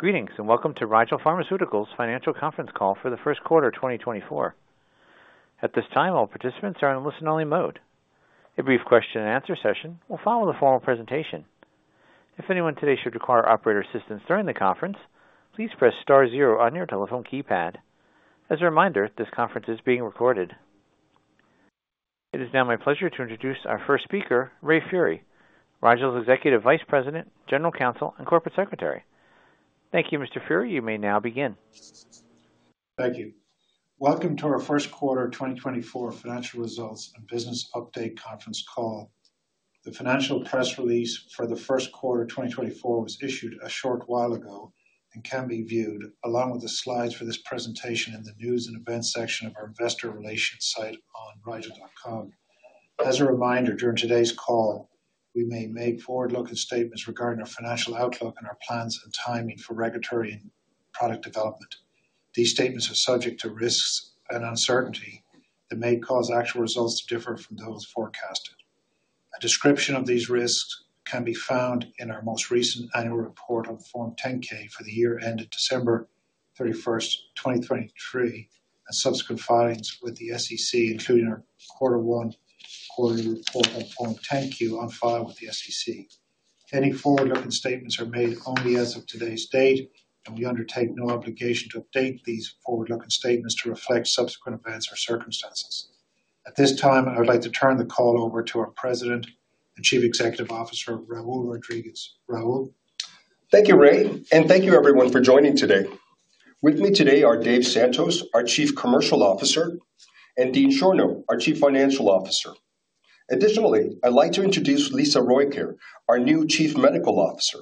Greetings and welcome to Rigel Pharmaceuticals' financial conference call for the first quarter 2024. At this time, all participants are in listen-only mode. A brief question-and-answer session will follow the formal presentation. If anyone today should require operator assistance during the conference, please press star zero on your telephone keypad. As a reminder, this conference is being recorded. It is now my pleasure to introduce our first speaker, Ray Furey, Rigel's Executive Vice President, General Counsel, and Corporate Secretary. Thank you, Mr. Furey. You may now begin. Thank you. Welcome to our first quarter 2024 financial results and business update conference call. The financial press release for the first quarter 2024 was issued a short while ago and can be viewed along with the slides for this presentation in the news and events section of our investor relations site on rigel.com. As a reminder, during today's call, we may make forward-looking statements regarding our financial outlook and our plans and timing for regulatory and product development. These statements are subject to risks and uncertainty that may cause actual results to differ from those forecasted. A description of these risks can be found in our most recent annual report on Form 10-K for the year ended December 31st, 2023, and subsequent filings with the SEC, including our quarter one quarterly report on Form 10-Q on file with the SEC. Any forward-looking statements are made only as of today's date, and we undertake no obligation to update these forward-looking statements to reflect subsequent events or circumstances. At this time, I would like to turn the call over to our President and Chief Executive Officer, Raul Rodriguez. Raul? Thank you, Ray. Thank you, everyone, for joining today. With me today are Dave Santos, our Chief Commercial Officer, and Dean Schorno, our Chief Financial Officer. Additionally, I'd like to introduce Lisa Rojkjaer, our new Chief Medical Officer.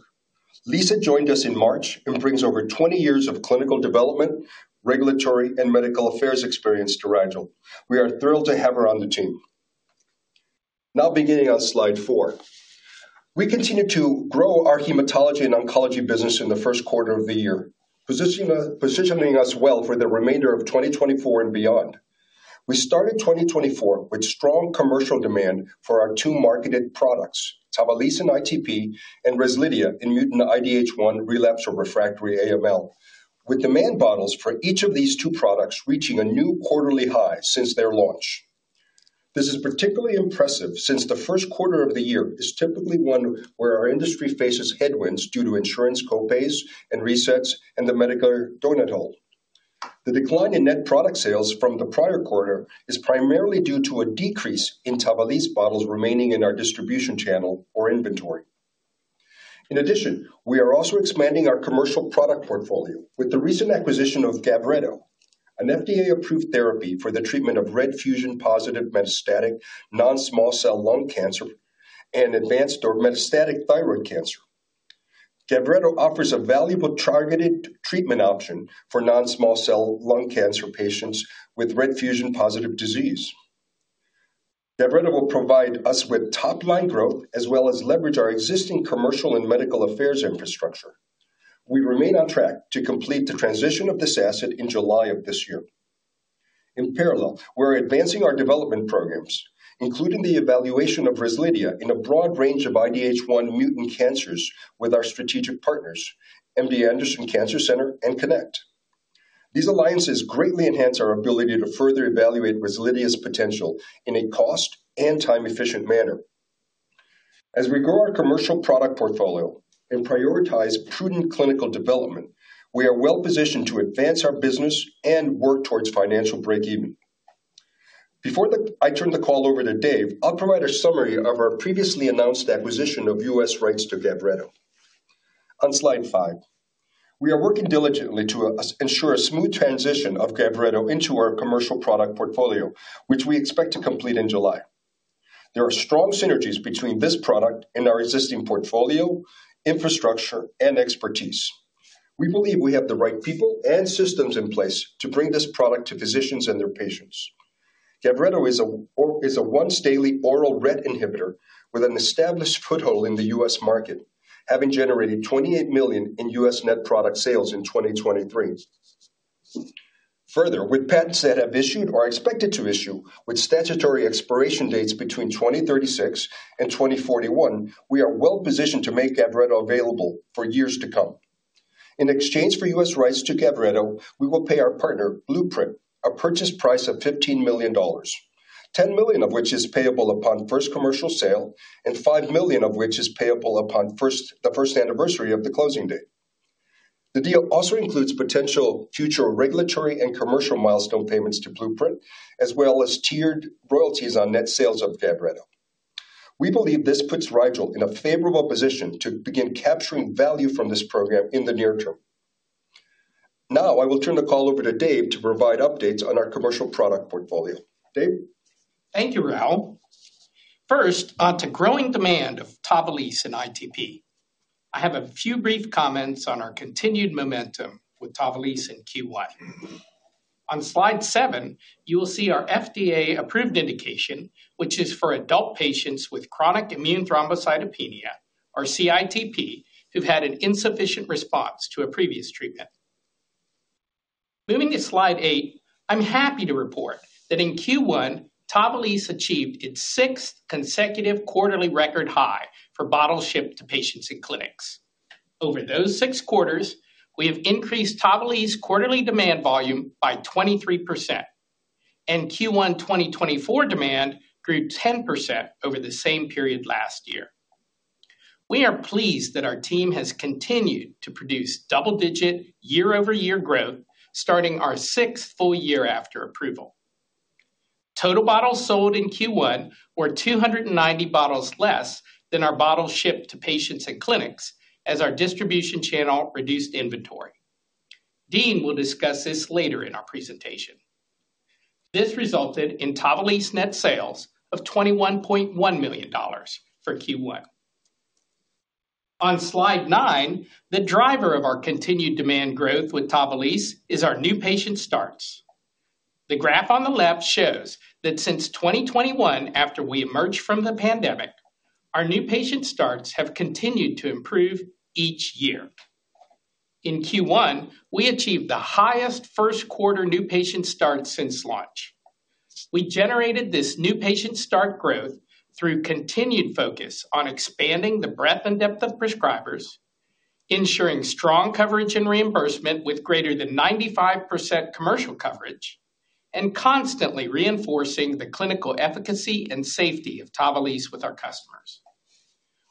Lisa joined us in March and brings over 20 years of clinical development, regulatory, and medical affairs experience to Rigel. We are thrilled to have her on the team. Now beginning on slide four, we continue to grow our hematology and oncology business in the first quarter of the year, positioning us well for the remainder of 2024 and beyond. We started 2024 with strong commercial demand for our two marketed products, TAVALISSE in ITP and REZLIDHIA in mutant IDH1 relapse or refractory AML, with demand for both of these two products reaching a new quarterly high since their launch. This is particularly impressive since the first quarter of the year is typically one where our industry faces headwinds due to insurance copays and resets and the Medicare donut hole. The decline in net product sales from the prior quarter is primarily due to a decrease in TAVALISSE bottles remaining in our distribution channel or inventory. In addition, we are also expanding our commercial product portfolio with the recent acquisition of GAVRETO, an FDA-approved therapy for the treatment of RET fusion-positive metastatic non-small cell lung cancer and advanced or metastatic thyroid cancer. GAVRETO offers a valuable targeted treatment option for non-small cell lung cancer patients with RET fusion-positive disease. GAVRETO will provide us with top-line growth as well as leverage our existing commercial and medical affairs infrastructure. We remain on track to complete the transition of this asset in July of this year. In parallel, we're advancing our development programs, including the evaluation of REZLIDHIA in a broad range of IDH1 mutant cancers with our strategic partners, MD Anderson Cancer Center and CONNECT. These alliances greatly enhance our ability to further evaluate REZLIDHIA's potential in a cost and time-efficient manner. As we grow our commercial product portfolio and prioritize prudent clinical development, we are well-positioned to advance our business and work towards financial breakeven. Before I turn the call over to Dave, I'll provide a summary of our previously announced acquisition of U.S. rights to GAVRETO. On slide five, we are working diligently to ensure a smooth transition of GAVRETO into our commercial product portfolio, which we expect to complete in July. There are strong synergies between this product and our existing portfolio, infrastructure, and expertise. We believe we have the right people and systems in place to bring this product to physicians and their patients. GAVRETO is a once-daily oral RET inhibitor with an established foothold in the U.S. market, having generated $28 million in U.S. net product sales in 2023. Further, with patents that have issued or are expected to issue, with statutory expiration dates between 2036 and 2041, we are well-positioned to make GAVRETO available for years to come. In exchange for U.S. rights to GAVRETO, we will pay our partner, Blueprint, a purchase price of $15 million, $10 million of which is payable upon first commercial sale, and $5 million of which is payable upon the first anniversary of the closing date. The deal also includes potential future regulatory and commercial milestone payments to Blueprint, as well as tiered royalties on net sales of GAVRETO. We believe this puts Rigel in a favorable position to begin capturing value from this program in the near term. Now I will turn the call over to Dave to provide updates on our commercial product portfolio. Dave? Thank you, Raul. First, onto growing demand of TAVALISSE in ITP, I have a few brief comments on our continued momentum with TAVALISSE in Q1. On slide seven, you will see our FDA-approved indication, which is for adult patients with chronic immune thrombocytopenia, or CITP, who've had an insufficient response to a previous treatment. Moving to slide eight, I'm happy to report that in Q1, TAVALISSE achieved its sixth consecutive quarterly record high for bottles shipped to patients in clinics. Over those six quarters, we have increased TAVALISSE's quarterly demand volume by 23%, and Q1 2024 demand grew 10% over the same period last year. We are pleased that our team has continued to produce double-digit year-over-year growth starting our sixth full year after approval. Total bottles sold in Q1 were 290 bottles less than our bottles shipped to patients in clinics as our distribution channel reduced inventory. Dean will discuss this later in our presentation. This resulted in TAVALISSE net sales of $21.1 million for Q1. On slide nine, the driver of our continued demand growth with TAVALISSE is our new patient starts. The graph on the left shows that since 2021, after we emerged from the pandemic, our new patient starts have continued to improve each year. In Q1, we achieved the highest first-quarter new patient starts since launch. We generated this new patient start growth through continued focus on expanding the breadth and depth of prescribers, ensuring strong coverage and reimbursement with greater than 95% commercial coverage, and constantly reinforcing the clinical efficacy and safety of TAVALISSE with our customers.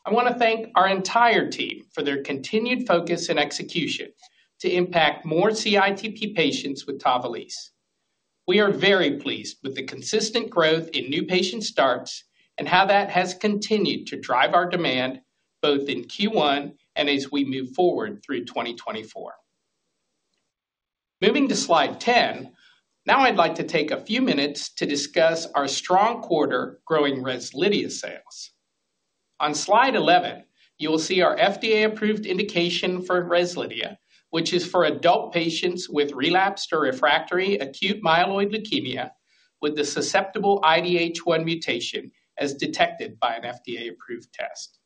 I want to thank our entire team for their continued focus and execution to impact more CITP patients with TAVALISSE. We are very pleased with the consistent growth in new patient starts and how that has continued to drive our demand both in Q1 and as we move forward through 2024. Moving to slide 10, now I'd like to take a few minutes to discuss our strong quarter growing REZLIDHIA sales. On slide 11, you will see our FDA-approved indication for REZLIDHIA, which is for adult patients with relapsed or refractory acute myeloid leukemia with the susceptible IDH1 mutation as detected by an FDA-approved test.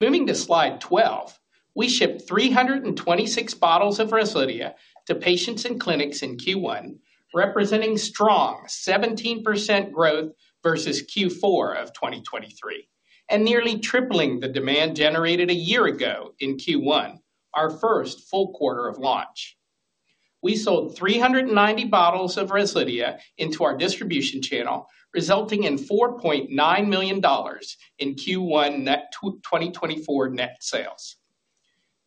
Moving to slide 12, we shipped 326 bottles of REZLIDHIA to patients in clinics in Q1, representing strong 17% growth versus Q4 of 2023 and nearly tripling the demand generated a year ago in Q1, our first full quarter of launch. We sold 390 bottles of REZLIDHIA into our distribution channel, resulting in $4.9 million in Q1 net 2024 net sales.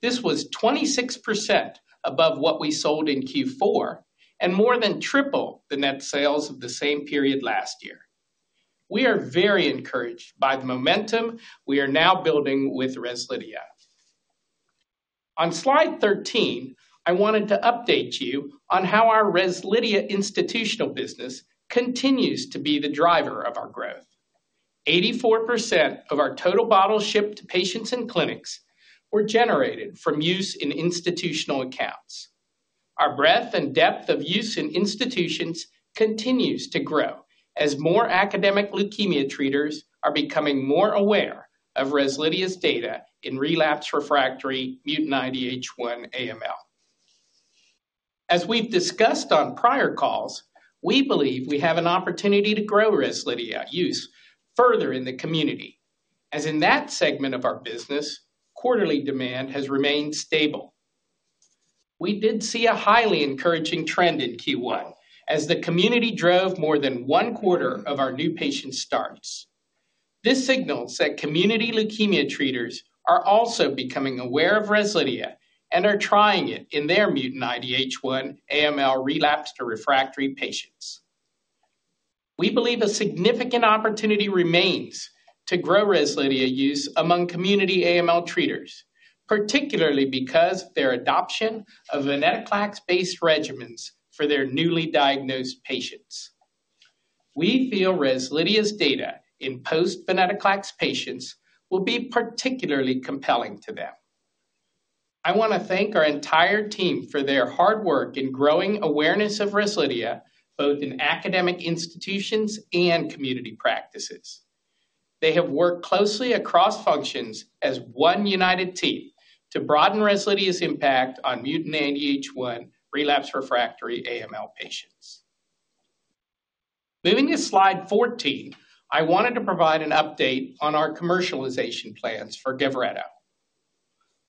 This was 26% above what we sold in Q4 and more than triple the net sales of the same period last year. We are very encouraged by the momentum we are now building with REZLIDHIA. On slide 13, I wanted to update you on how our REZLIDHIA institutional business continues to be the driver of our growth. 84% of our total bottles shipped to patients in clinics were generated from use in institutional accounts. Our breadth and depth of use in institutions continues to grow as more academic leukemia treaters are becoming more aware of REZLIDHIA's data in relapsed refractory mutant IDH1 AML. As we've discussed on prior calls, we believe we have an opportunity to grow REZLIDHIA use further in the community, as in that segment of our business, quarterly demand has remained stable. We did see a highly encouraging trend in Q1 as the community drove more than one-quarter of our new patient starts. This signals that community leukemia treaters are also becoming aware of REZLIDHIA and are trying it in their mutant IDH1 AML relapsed to refractory patients. We believe a significant opportunity remains to grow REZLIDHIA use among community AML treaters, particularly because of their adoption of venetoclax-based regimens for their newly diagnosed patients. We feel REZLIDHIA's data in post-venetoclax patients will be particularly compelling to them. I want to thank our entire team for their hard work in growing awareness of REZLIDHIA both in academic institutions and community practices. They have worked closely across functions as one united team to broaden REZLIDHIA's impact on mutant IDH1 relapsed refractory AML patients. Moving to slide 14, I wanted to provide an update on our commercialization plans for GAVRETO.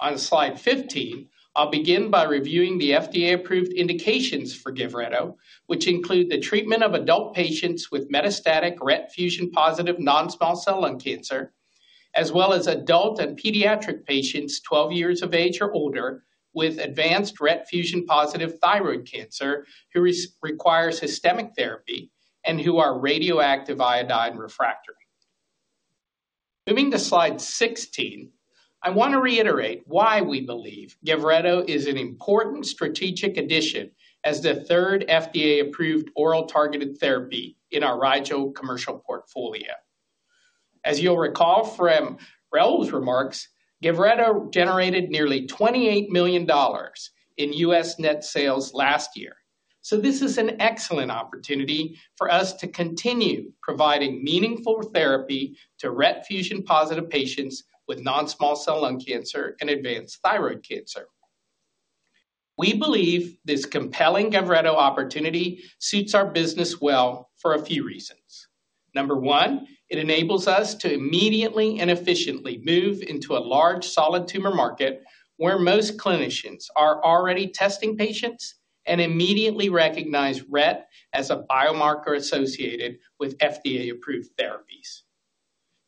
On slide 15, I'll begin by reviewing the FDA-approved indications for GAVRETO, which include the treatment of adult patients with metastatic RET fusion-positive non-small cell lung cancer, as well as adult and pediatric patients 12 years of age or older with advanced RET fusion-positive thyroid cancer who require systemic therapy and who are radioactive iodine refractory. Moving to slide 16, I want to reiterate why we believe GAVRETO is an important strategic addition as the third FDA-approved oral targeted therapy in our Rigel commercial portfolio. As you'll recall from Raul's remarks, GAVRETO generated nearly $28 million in U.S. net sales last year. So this is an excellent opportunity for us to continue providing meaningful therapy to RET fusion-positive patients with non-small cell lung cancer and advanced thyroid cancer. We believe this compelling GAVRETO opportunity suits our business well for a few reasons. Number one, it enables us to immediately and efficiently move into a large solid tumor market where most clinicians are already testing patients and immediately recognize RET as a biomarker associated with FDA-approved therapies.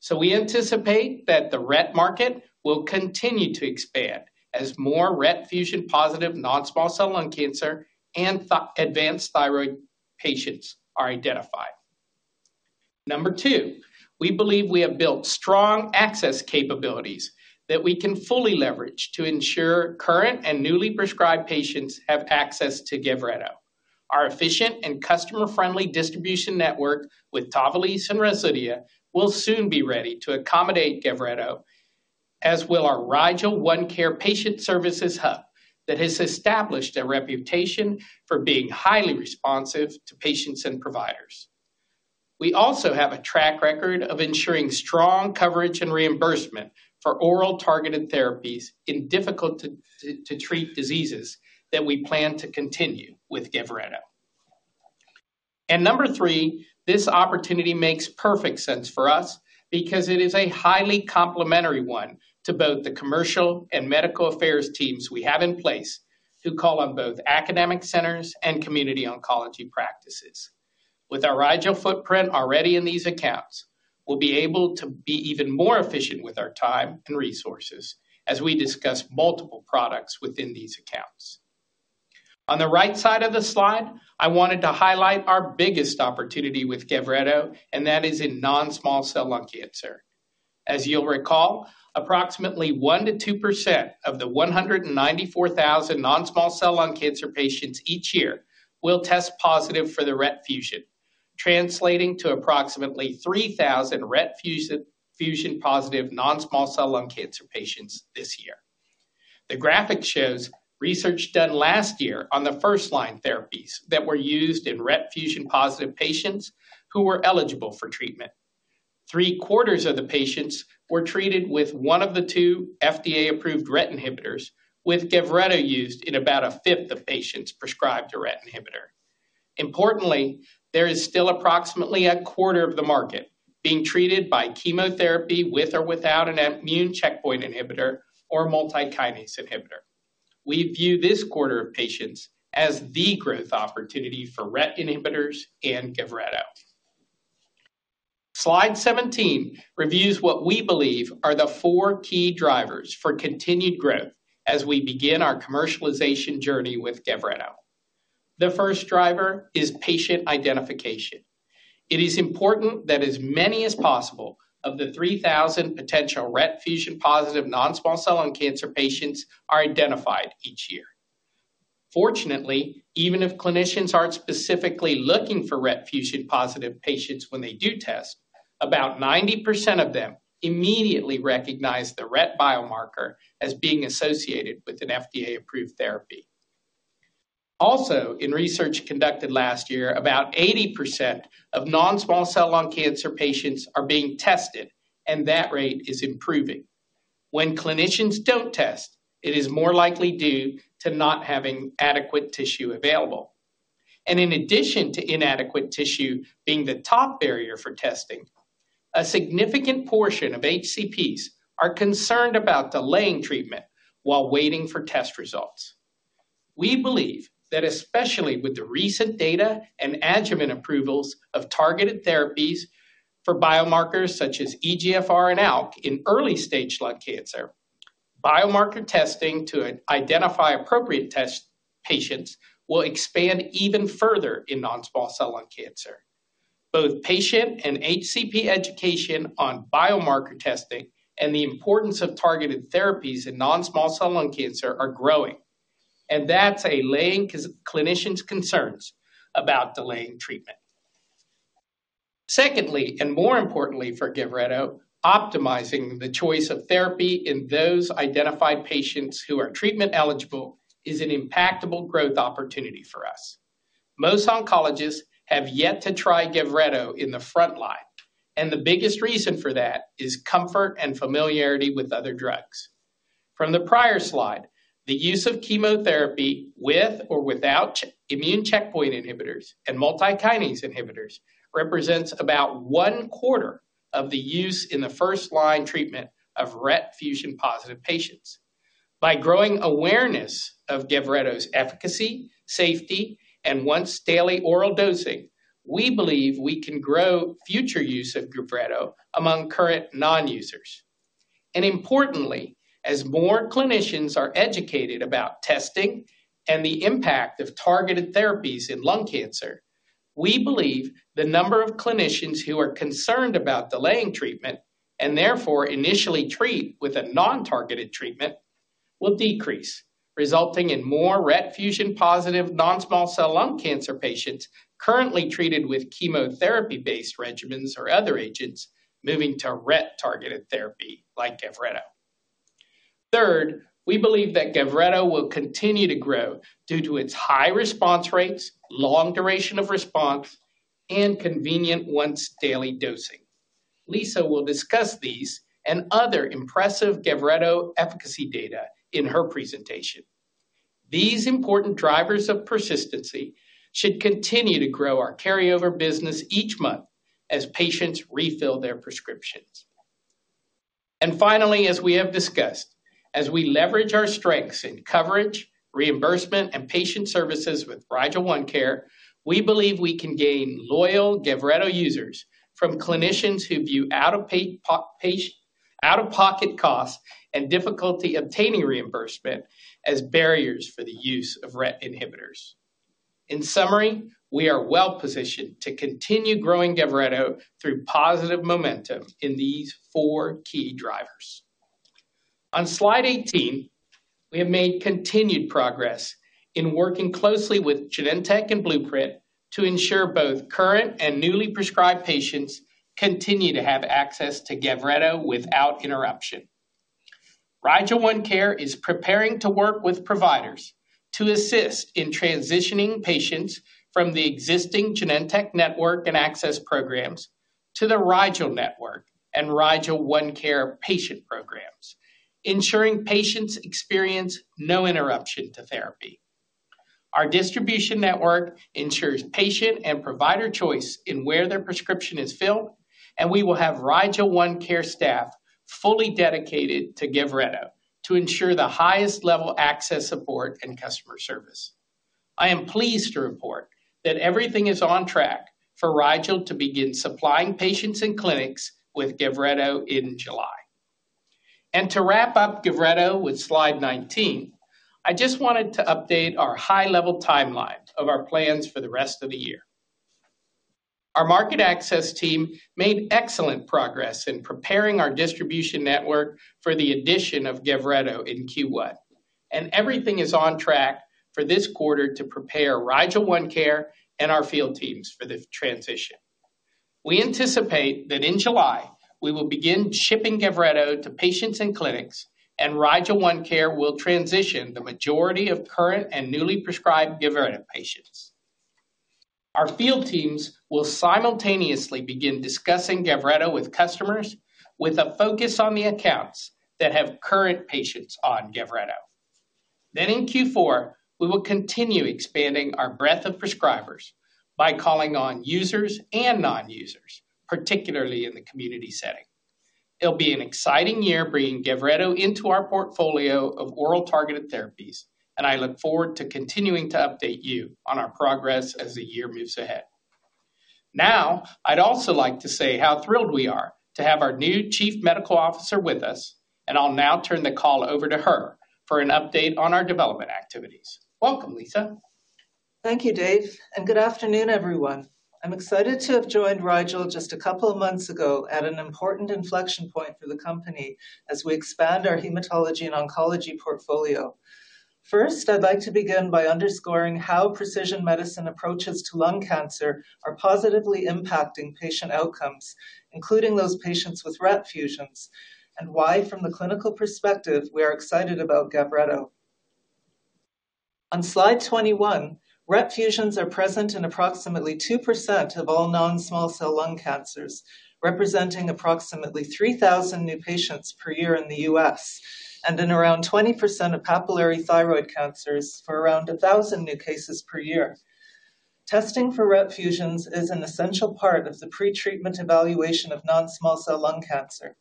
So we anticipate that the RET market will continue to expand as more RET fusion-positive non-small cell lung cancer and advanced thyroid patients are identified. Number two, we believe we have built strong access capabilities that we can fully leverage to ensure current and newly prescribed patients have access to GAVRETO. Our efficient and customer-friendly distribution network with TAVALISSE and REZLIDHIA will soon be ready to accommodate GAVRETO, as will our Rigel OneCare Patient Services Hub that has established a reputation for being highly responsive to patients and providers. We also have a track record of ensuring strong coverage and reimbursement for oral targeted therapies in difficult-to-treat diseases that we plan to continue with GAVRETO. And number three, this opportunity makes perfect sense for us because it is a highly complementary one to both the commercial and medical affairs teams we have in place who call on both academic centers and community oncology practices. With our Rigel footprint already in these accounts, we'll be able to be even more efficient with our time and resources as we discuss multiple products within these accounts. On the right side of the slide, I wanted to highlight our biggest opportunity with GAVRETO, and that is in non-small cell lung cancer. As you'll recall, approximately 1%-2% of the 194,000 non-small cell lung cancer patients each year will test positive for the RET fusion, translating to approximately 3,000 RET fusion-positive non-small cell lung cancer patients this year. The graphic shows research done last year on the first-line therapies that were used in RET fusion-positive patients who were eligible for treatment. Three-quarters of the patients were treated with one of the two FDA-approved RET inhibitors, with GAVRETO used in about a fifth of patients prescribed a RET inhibitor. Importantly, there is still approximately a quarter of the market being treated by chemotherapy with or without an immune checkpoint inhibitor or multikinase inhibitor. We view this quarter of patients as the growth opportunity for RET inhibitors and GAVRETO. Slide 17 reviews what we believe are the four key drivers for continued growth as we begin our commercialization journey with GAVRETO. The first driver is patient identification. It is important that as many as possible of the 3,000 potential RET fusion-positive non-small cell lung cancer patients are identified each year. Fortunately, even if clinicians aren't specifically looking for RET fusion-positive patients when they do test, about 90% of them immediately recognize the RET biomarker as being associated with an FDA-approved therapy. Also, in research conducted last year, about 80% of non-small cell lung cancer patients are being tested, and that rate is improving. When clinicians don't test, it is more likely due to not having adequate tissue available. And in addition to inadequate tissue being the top barrier for testing, a significant portion of HCPs are concerned about delaying treatment while waiting for test results. We believe that especially with the recent data and adjuvant approvals of targeted therapies for biomarkers such as EGFR and ALK in early-stage lung cancer, biomarker testing to identify appropriate test patients will expand even further in non-small cell lung cancer. Both patient and HCP education on biomarker testing and the importance of targeted therapies in non-small cell lung cancer are growing, and that's allaying clinician's concerns about delaying treatment. Secondly, and more importantly for GAVRETO, optimizing the choice of therapy in those identified patients who are treatment eligible is an impactable growth opportunity for us. Most oncologists have yet to try GAVRETO in the front line, and the biggest reason for that is comfort and familiarity with other drugs. From the prior slide, the use of chemotherapy with or without immune checkpoint inhibitors and multikinase inhibitors represents about one-quarter of the use in the first-line treatment of RET fusion-positive patients. By growing awareness of GAVRETO's efficacy, safety, and once-daily oral dosing, we believe we can grow future use of GAVRETO among current non-users. Importantly, as more clinicians are educated about testing and the impact of targeted therapies in lung cancer, we believe the number of clinicians who are concerned about delaying treatment and therefore initially treat with a non-targeted treatment will decrease, resulting in more RET fusion-positive non-small cell lung cancer patients currently treated with chemotherapy-based regimens or other agents moving to RET targeted therapy like GAVRETO. Third, we believe that GAVRETO will continue to grow due to its high response rates, long duration of response, and convenient once-daily dosing. Lisa will discuss these and other impressive GAVRETO efficacy data in her presentation. These important drivers of persistency should continue to grow our carryover business each month as patients refill their prescriptions. And finally, as we have discussed, as we leverage our strengths in coverage, reimbursement, and patient services with Rigel OneCare, we believe we can gain loyal GAVRETO users from clinicians who view out-of-pocket costs and difficulty obtaining reimbursement as barriers for the use of RET inhibitors. In summary, we are well-positioned to continue growing GAVRETO through positive momentum in these four key drivers. On slide 18, we have made continued progress in working closely with Genentech and Blueprint Medicines to ensure both current and newly prescribed patients continue to have access to GAVRETO without interruption. Rigel OneCare is preparing to work with providers to assist in transitioning patients from the existing Genentech network and access programs to the Rigel network and Rigel OneCare patient programs, ensuring patients experience no interruption to therapy. Our distribution network ensures patient and provider choice in where their prescription is filled, and we will have Rigel OneCare staff fully dedicated to GAVRETO to ensure the highest level access support and customer service. I am pleased to report that everything is on track for Rigel to begin supplying patients and clinics with GAVRETO in July. To wrap up GAVRETO with slide 19, I just wanted to update our high-level timeline of our plans for the rest of the year. Our market access team made excellent progress in preparing our distribution network for the addition of GAVRETO in Q1, and everything is on track for this quarter to prepare Rigel OneCare and our field teams for the transition. We anticipate that in July we will begin shipping GAVRETO to patients and clinics, and Rigel OneCare will transition the majority of current and newly prescribed GAVRETO patients. Our field teams will simultaneously begin discussing GAVRETO with customers with a focus on the accounts that have current patients on GAVRETO. Then in Q4, we will continue expanding our breadth of prescribers by calling on users and non-users, particularly in the community setting. It'll be an exciting year bringing GAVRETO into our portfolio of oral targeted therapies, and I look forward to continuing to update you on our progress as the year moves ahead. Now, I'd also like to say how thrilled we are to have our new Chief Medical Officer with us, and I'll now turn the call over to her for an update on our development activities. Welcome, Lisa. Thank you, Dave, and good afternoon, everyone. I'm excited to have joined Rigel just a couple of months ago at an important inflection point for the company as we expand our hematology and oncology portfolio. First, I'd like to begin by underscoring how precision medicine approaches to lung cancer are positively impacting patient outcomes, including those patients with RET fusions, and why, from the clinical perspective, we are excited about GAVRETO. On slide 21, RET fusions are present in approximately 2% of all non-small cell lung cancers, representing approximately 3,000 new patients per year in the U.S., and in around 20% of papillary thyroid cancers for around 1,000 new cases per year. Testing for RET fusions is an essential part of the pretreatment evaluation of non-small cell lung cancer.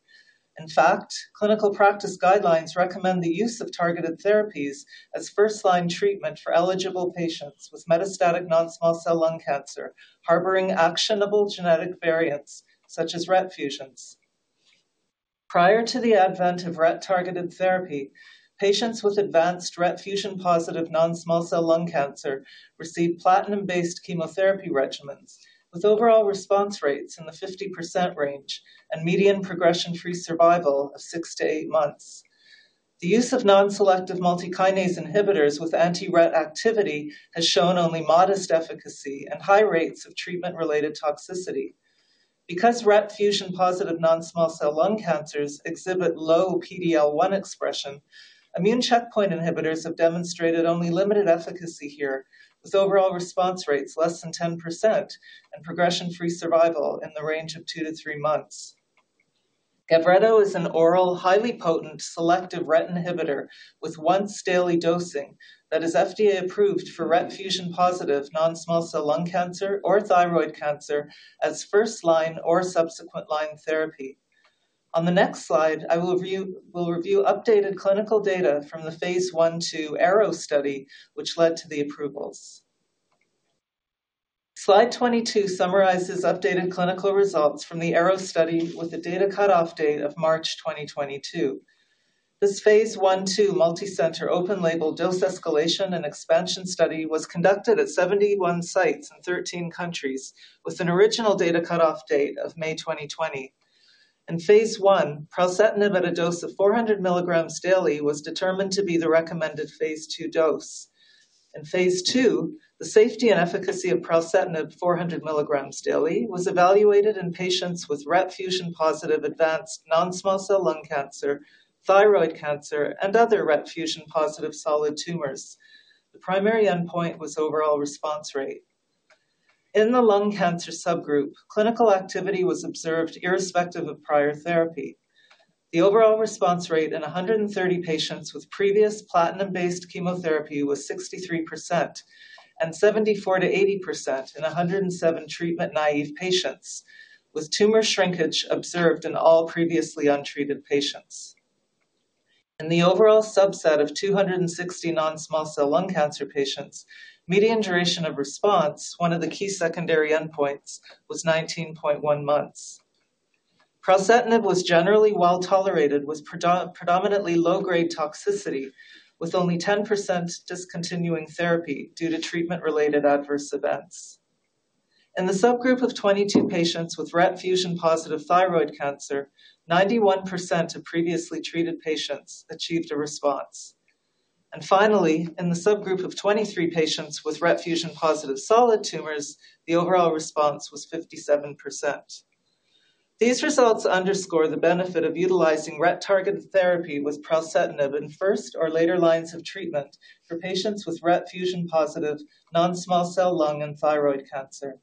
In fact, clinical practice guidelines recommend the use of targeted therapies as first-line treatment for eligible patients with metastatic non-small cell lung cancer, harboring actionable genetic variants such as RET fusions. Prior to the advent of RET targeted therapy, patients with advanced RET fusion-positive non-small cell lung cancer received platinum-based chemotherapy regimens with overall response rates in the 50% range and median progression-free survival of 6-8 months. The use of non-selective multikinase inhibitors with anti-RET activity has shown only modest efficacy and high rates of treatment-related toxicity. Because RET fusion-positive non-small cell lung cancers exhibit low PD-L1 expression, immune checkpoint inhibitors have demonstrated only limited efficacy here, with overall response rates less than 10% and progression-free survival in the range of 2-3 months. GAVRETO is an oral, highly potent selective RET inhibitor with once-daily dosing that is FDA-approved for RET fusion-positive non-small cell lung cancer or thyroid cancer as first-line or subsequent-line therapy. On the next slide, I will review updated clinical data from the Phase 1/2 ARROW study, which led to the approvals. Slide 22 summarizes updated clinical results from the ARROW study with a data cutoff date of March 2022. This Phase 1/2 multicenter open-label dose escalation and expansion study was conducted at 71 sites in 13 countries, with an original data cutoff date of May 2020. In Phase 1, pralsetinib at a dose of 400 milligrams daily was determined to be the recommended Phase 2 dose. In Phase 2, the safety and efficacy of pralsetinib 400 milligrams daily was evaluated in patients with RET fusion-positive advanced non-small cell lung cancer, thyroid cancer, and other RET fusion-positive solid tumors. The primary endpoint was overall response rate. In the lung cancer subgroup, clinical activity was observed irrespective of prior therapy. The overall response rate in 130 patients with previous platinum-based chemotherapy was 63% and 74%-80% in 107 treatment-naïve patients, with tumor shrinkage observed in all previously untreated patients. In the overall subset of 260 non-small cell lung cancer patients, median duration of response, one of the key secondary endpoints, was 19.1 months. Pralsetinib was generally well-tolerated with predominantly low-grade toxicity, with only 10% discontinuing therapy due to treatment-related adverse events. In the subgroup of 22 patients with RET fusion-positive thyroid cancer, 91% of previously treated patients achieved a response. And finally, in the subgroup of 23 patients with RET fusion-positive solid tumors, the overall response was 57%. These results underscore the benefit of utilizing RET targeted therapy with pralsetinib in first or later lines of treatment for patients with RET fusion-positive non-small cell lung and thyroid cancer.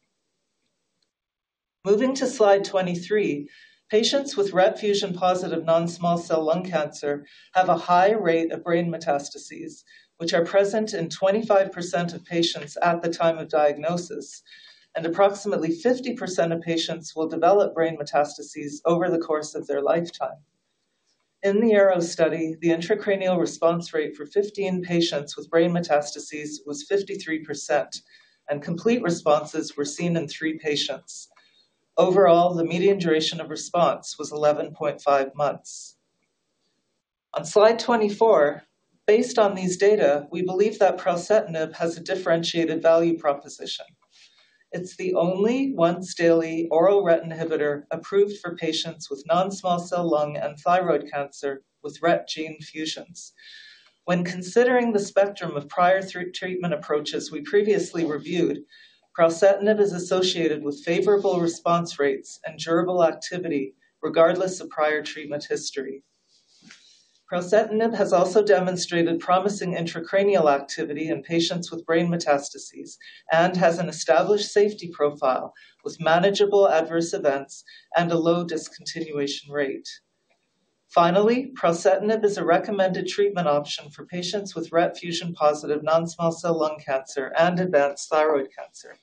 Moving to slide 23, patients with RET fusion-positive non-small-cell lung cancer have a high rate of brain metastases, which are present in 25% of patients at the time of diagnosis, and approximately 50% of patients will develop brain metastases over the course of their lifetime. In the ARROW study, the intracranial response rate for 15 patients with brain metastases was 53%, and complete responses were seen in three patients. Overall, the median duration of response was 11.5 months. On slide 24, based on these data, we believe that pralsetinib has a differentiated value proposition. It's the only once-daily oral RET inhibitor approved for patients with non-small-cell lung and thyroid cancer with RET gene fusions. When considering the spectrum of prior treatment approaches we previously reviewed, pralsetinib is associated with favorable response rates and durable activity regardless of prior treatment history. Pralsetinib has also demonstrated promising intracranial activity in patients with brain metastases and has an established safety profile with manageable adverse events and a low discontinuation rate. Finally, pralsetinib is a recommended treatment option for patients with RET fusion-positive non-small cell lung cancer and advanced thyroid cancer.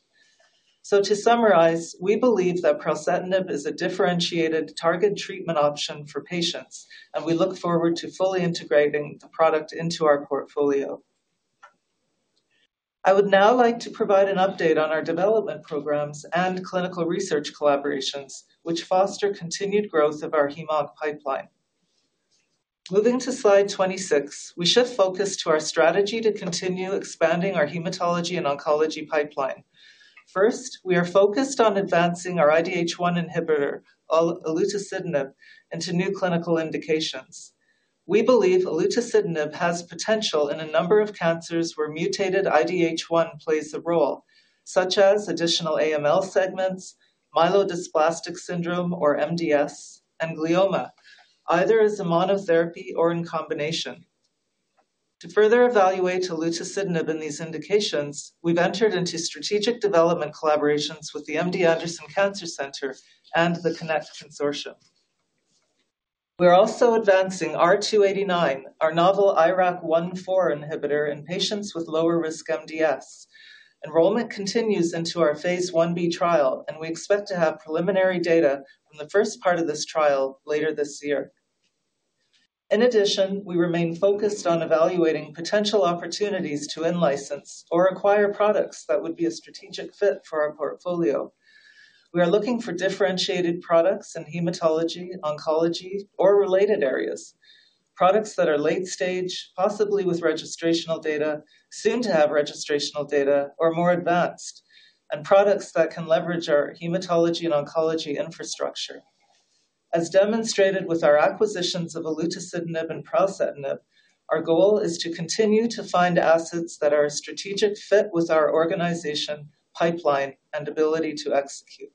So to summarize, we believe that pralsetinib is a differentiated targeted treatment option for patients, and we look forward to fully integrating the product into our portfolio. I would now like to provide an update on our development programs and clinical research collaborations, which foster continued growth of our hem/onc pipeline. Moving to slide 26, we shift focus to our strategy to continue expanding our hematology and oncology pipeline. First, we are focused on advancing our IDH1 inhibitor, olutasidenib, into new clinical indications. We believe olutasidenib has potential in a number of cancers where mutated IDH1 plays a role, such as additional AML segments, myelodysplastic syndrome or MDS, and glioma, either as a monotherapy or in combination. To further evaluate olutasidenib in these indications, we've entered into strategic development collaborations with the MD Anderson Cancer Center and the CONNECT Consortium. We're also advancing R289, our novel IRAK1/4 inhibitor, in patients with lower-risk MDS. Enrollment continues into our phase 1b trial, and we expect to have preliminary data from the first part of this trial later this year. In addition, we remain focused on evaluating potential opportunities to in-license or acquire products that would be a strategic fit for our portfolio. We are looking for differentiated products in hematology, oncology, or related areas, products that are late-stage, possibly with registrational data, soon to have registrational data, or more advanced, and products that can leverage our hematology and oncology infrastructure. As demonstrated with our acquisitions of olutasidenib and pralsetinib, our goal is to continue to find assets that are a strategic fit with our organization pipeline and ability to execute.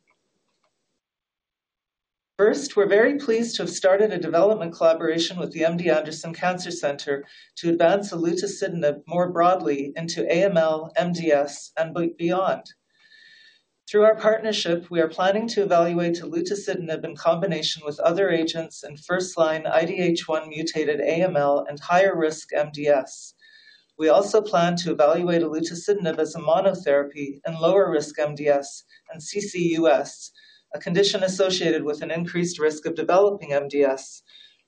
First, we're very pleased to have started a development collaboration with the MD Anderson Cancer Center to advance olutasidenib more broadly into AML, MDS, and beyond. Through our partnership, we are planning to evaluate olutasidenib in combination with other agents in first-line IDH1 mutated AML and higher-risk MDS. We also plan to evaluate olutasidenib as a monotherapy in lower-risk MDS and CCUS, a condition associated with an increased risk of developing MDS,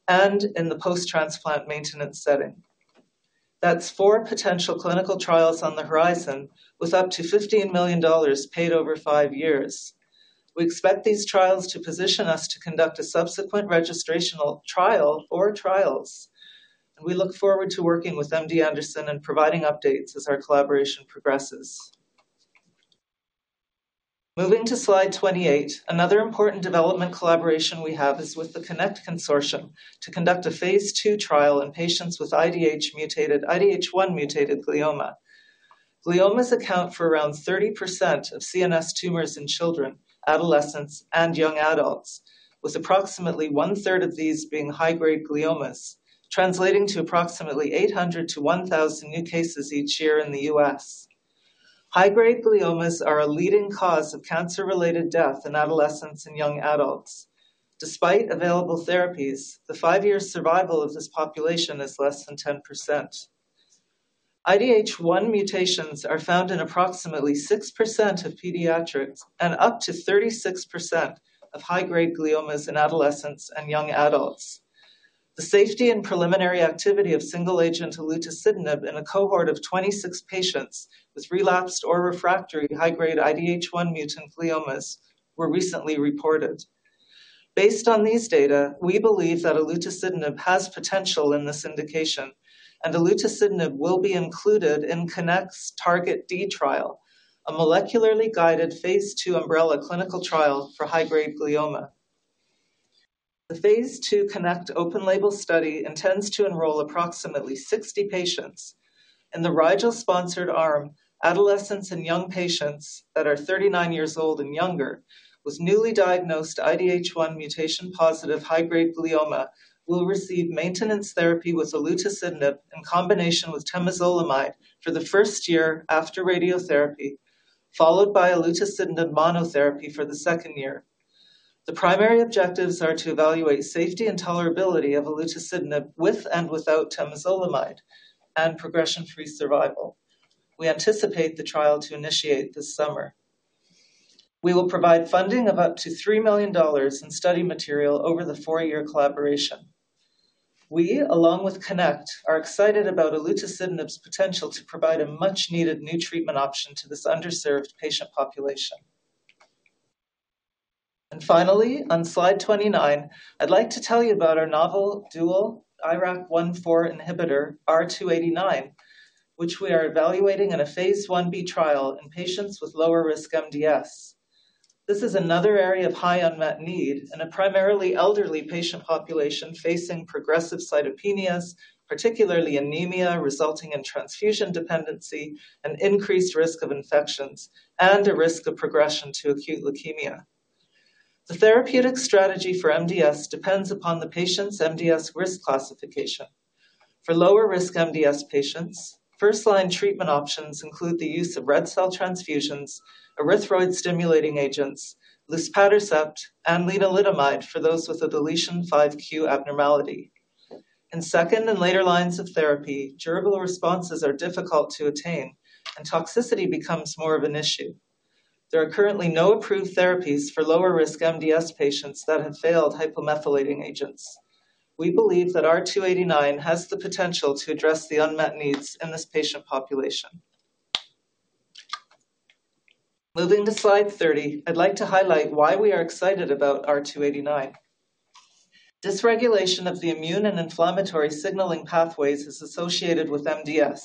and in the post-transplant maintenance setting. That's four potential clinical trials on the horizon with up to $15 million paid over five years. We expect these trials to position us to conduct a subsequent registrational trial or trials, and we look forward to working with MD Anderson and providing updates as our collaboration progresses. Moving to slide 28, another important development collaboration we have is with the CONNECT Consortium to conduct a Phase 2 trial in patients with IDH1 mutated glioma. Gliomas account for around 30% of CNS tumors in children, adolescents, and young adults, with approximately one-third of these being high-grade gliomas, translating to approximately 800-1,000 new cases each year in the U.S. High-grade gliomas are a leading cause of cancer-related death in adolescents and young adults. Despite available therapies, the five-year survival of this population is less than 10%. IDH1 mutations are found in approximately 6% of pediatrics and up to 36% of high-grade gliomas in adolescents and young adults. The safety and preliminary activity of single-agent olutasidenib in a cohort of 26 patients with relapsed or refractory high-grade IDH1 mutant gliomas were recently reported. Based on these data, we believe that olutasidenib has potential in this indication, and olutasidenib will be included in CONNECT's TarGeT-D trial, a molecularly guided phase 2 umbrella clinical trial for high-grade glioma. The phase 2 CONNECT open-label study intends to enroll approximately 60 patients. In the Rigel-sponsored arm, adolescents and young patients that are 39 years old and younger with newly diagnosed IDH1 mutation-positive high-grade glioma will receive maintenance therapy with olutasidenib in combination with temozolomide for the first year after radiotherapy, followed by olutasidenib monotherapy for the second year. The primary objectives are to evaluate safety and tolerability of olutasidenib with and without temozolomide and progression-free survival. We anticipate the trial to initiate this summer. We will provide funding of up to $3 million in study material over the four-year collaboration. We, along with CONNECT, are excited about olutasidenib's potential to provide a much-needed new treatment option to this underserved patient population. And finally, on slide 29, I'd like to tell you about our novel dual IRAK1/4 inhibitor, R289, which we are evaluating in a phase 1b trial in patients with lower-risk MDS. This is another area of high unmet need in a primarily elderly patient population facing progressive cytopenias, particularly anemia resulting in transfusion dependency, an increased risk of infections, and a risk of progression to acute leukemia. The therapeutic strategy for MDS depends upon the patient's MDS risk classification. For lower-risk MDS patients, first-line treatment options include the use of red cell transfusions, erythroid-stimulating agents, luspatercept, and lenalidomide for those with a deletion 5q abnormality. In second and later lines of therapy, durable responses are difficult to attain, and toxicity becomes more of an issue. There are currently no approved therapies for lower-risk MDS patients that have failed hypomethylating agents. We believe that R289 has the potential to address the unmet needs in this patient population. Moving to slide 30, I'd like to highlight why we are excited about R289. Dysregulation of the immune and inflammatory signaling pathways is associated with MDS,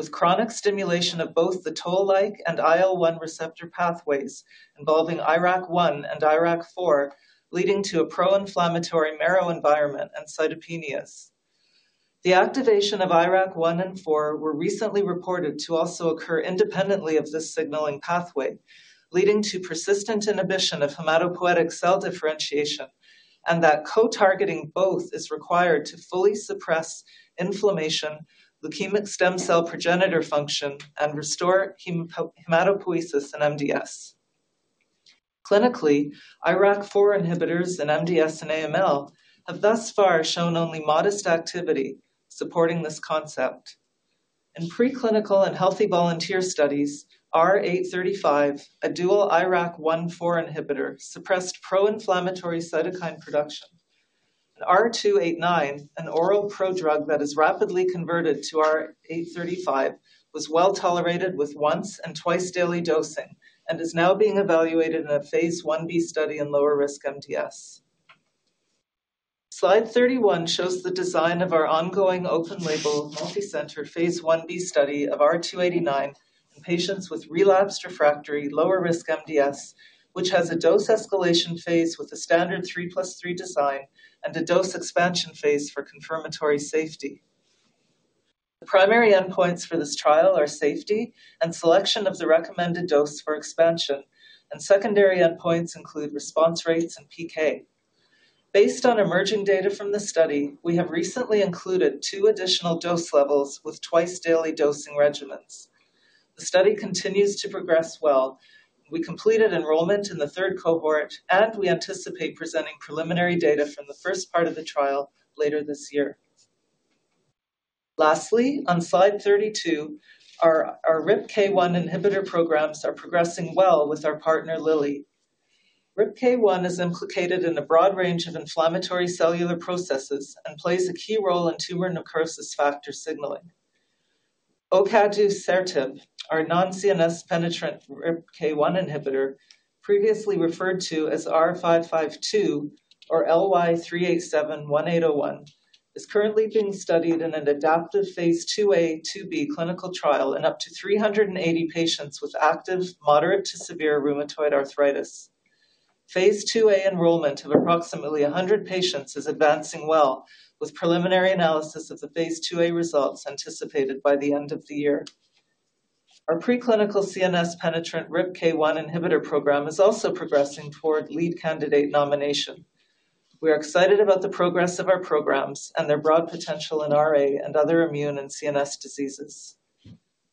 with chronic stimulation of both the Toll-like and IL-1 receptor pathways involving IRAK1 and IRAK4 leading to a pro-inflammatory marrow environment and cytopenias. The activation of IRAK1 and IRAK4 were recently reported to also occur independently of this signaling pathway, leading to persistent inhibition of hematopoietic cell differentiation and that co-targeting both is required to fully suppress inflammation, leukemic stem cell progenitor function, and restore hematopoiesis in MDS. Clinically, IRAK4 inhibitors in MDS and AML have thus far shown only modest activity supporting this concept. In preclinical and healthy volunteer studies, R835, a dual IRAK1/4 inhibitor, suppressed pro-inflammatory cytokine production. R289, an oral prodrug that is rapidly converted to R835, was well-tolerated with once and twice-daily dosing and is now being evaluated in a phase 1b study in lower-risk MDS. Slide 31 shows the design of our ongoing open-label multicenter phase 1b study of R289 in patients with relapsed refractory lower-risk MDS, which has a dose escalation phase with a standard 3+3 design and a dose expansion phase for confirmatory safety. The primary endpoints for this trial are safety and selection of the recommended dose for expansion, and secondary endpoints include response rates and PK. Based on emerging data from the study, we have recently included two additional dose levels with twice-daily dosing regimens. The study continues to progress well. We completed enrollment in the third cohort, and we anticipate presenting preliminary data from the first part of the trial later this year. Lastly, on slide 32, our RIPK1 inhibitor programs are progressing well with our partner Lilly. RIPK1 is implicated in a broad range of inflammatory cellular processes and plays a key role in tumor necrosis factor signaling. Ocadusertib, our non-CNS penetrant RIPK1 inhibitor, previously referred to as R552 or LY3871801, is currently being studied in an adaptive phase 2A/2B clinical trial in up to 380 patients with active moderate-to-severe rheumatoid arthritis. phase 2A enrollment of approximately 100 patients is advancing well with preliminary analysis of the phase 2A results anticipated by the end of the year. Our preclinical CNS penetrant RIPK1 inhibitor program is also progressing toward lead candidate nomination. We are excited about the progress of our programs and their broad potential in RA and other immune and CNS diseases.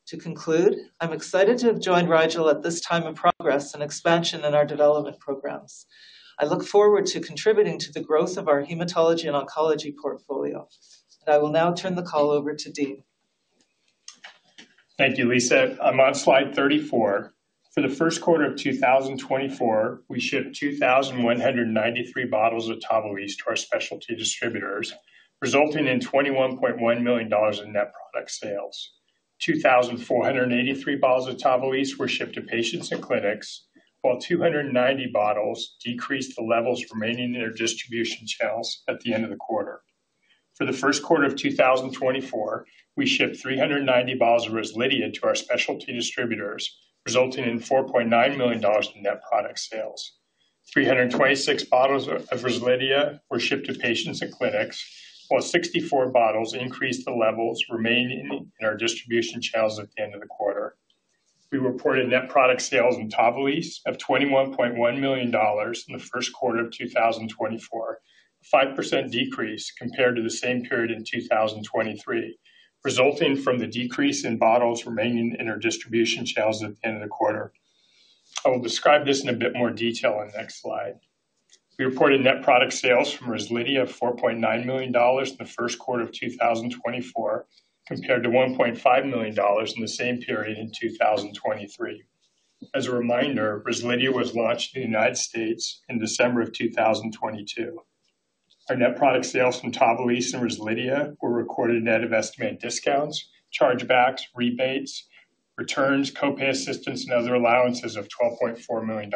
To conclude, I'm excited to have joined Rigel at this time of progress and expansion in our development programs. I look forward to contributing to the growth of our hematology and oncology portfolio. I will now turn the call over to Dean. Thank you, Lisa. I'm on slide 34. For the first quarter of 2024, we shipped 2,193 bottles of TAVALISSE to our specialty distributors, resulting in $21.1 million in net product sales. 2,483 bottles of TAVALISSE were shipped to patients and clinics, while 290 bottles decreased the levels remaining in their distribution channels at the end of the quarter. For the first quarter of 2024, we shipped 390 bottles of REZLIDHIA to our specialty distributors, resulting in $4.9 million in net product sales. 326 bottles of REZLIDHIA were shipped to patients and clinics, while 64 bottles increased the levels remaining in our distribution channels at the end of the quarter. We reported net product sales in TAVALISSE of $21.1 million in the first quarter of 2024, a 5% decrease compared to the same period in 2023, resulting from the decrease in bottles remaining in our distribution channels at the end of the quarter. I will describe this in a bit more detail on the next slide. We reported net product sales from REZLIDHIA of $4.9 million in the first quarter of 2024 compared to $1.5 million in the same period in 2023. As a reminder, REZLIDHIA was launched in the United States in December of 2022. Our net product sales from TAVALISSE and REZLIDHIA were recorded net of estimated discounts, chargebacks, rebates, returns, copay assistance, and other allowances of $12.4 million.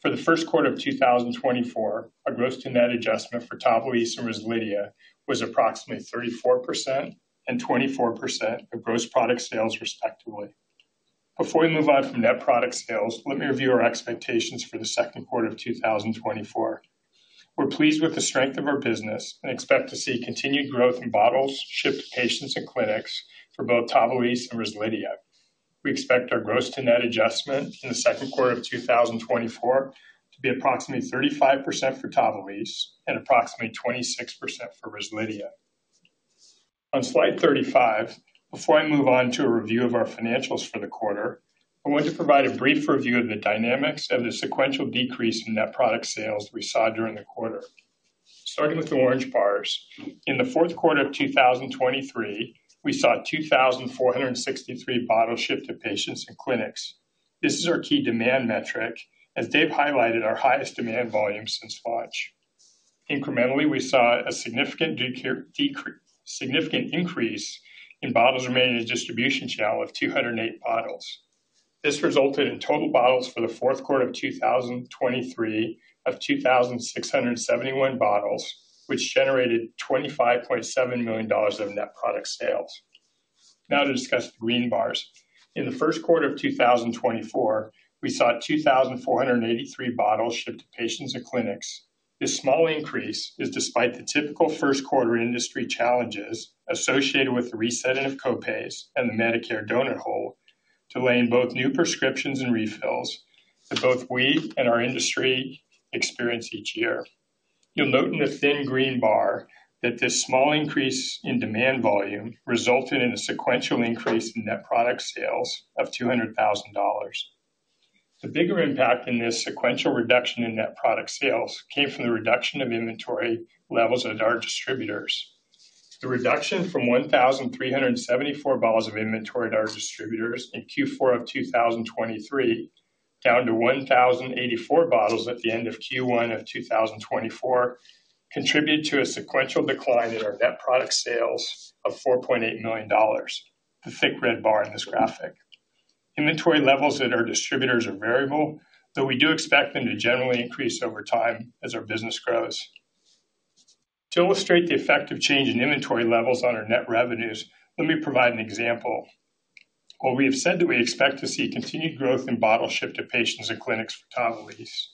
For the first quarter of 2024, our gross-to-net adjustment for TAVALISSE and REZLIDHIA was approximately 34% and 24% of gross product sales, respectively. Before we move on from net product sales, let me review our expectations for the second quarter of 2024. We're pleased with the strength of our business and expect to see continued growth in bottles shipped to patients and clinics for both TAVALISSE and REZLIDHIA. We expect our gross-to-net adjustment in the second quarter of 2024 to be approximately 35% for TAVALISSE and approximately 26% for REZLIDHIA. On slide 35, before I move on to a review of our financials for the quarter, I want to provide a brief review of the dynamics of the sequential decrease in net product sales we saw during the quarter. Starting with the orange bars, in the fourth quarter of 2023, we saw 2,463 bottles shipped to patients and clinics. This is our key demand metric, as Dave highlighted our highest demand volume since launch. Incrementally, we saw a significant increase in bottles remaining in the distribution channel of 208 bottles. This resulted in total bottles for the fourth quarter of 2023 of 2,671 bottles, which generated $25.7 million of net product sales. Now to discuss the green bars. In the first quarter of 2024, we saw 2,483 bottles shipped to patients and clinics. This small increase is despite the typical first-quarter industry challenges associated with the resetting of copays and the Medicare donut hole delay both new prescriptions and refills that both we and our industry experience each year. You'll note in the thin green bar that this small increase in demand volume resulted in a sequential increase in net product sales of $200,000. The bigger impact in this sequential reduction in net product sales came from the reduction of inventory levels at our distributors. The reduction from 1,374 bottles of inventory at our distributors in Q4 of 2023 down to 1,084 bottles at the end of Q1 of 2024 contributed to a sequential decline in our net product sales of $4.8 million, the thick red bar in this graphic. Inventory levels at our distributors are variable, though we do expect them to generally increase over time as our business grows. To illustrate the effect of change in inventory levels on our net revenues, let me provide an example. While we have said that we expect to see continued growth in bottles shipped to patients and clinics for TAVALISSE